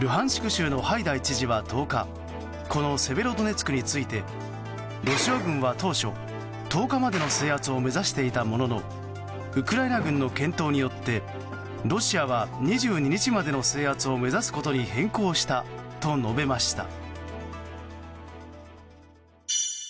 州のハイダイ知事は１０日このセベロドネツクについてロシア軍は当初１０日までの制圧を目指していたもののウクライナ軍の健闘によってロシアは２２日までの制圧を目指すことに変更したと述べました。